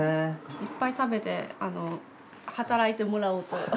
いっぱい食べて働いてもらおうと。